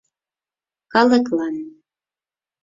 Калыклан